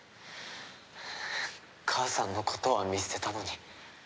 母さんのことは見捨てたのに。